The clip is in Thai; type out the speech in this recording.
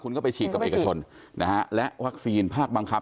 คุณก็ไปฉีดกับเอกชนนะฮะและวัคซีนภาคบังคับ